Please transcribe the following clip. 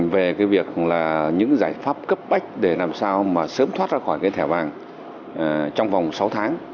về những giải pháp cấp bách để làm sao sớm thoát ra khỏi thẻ vàng trong vòng sáu tháng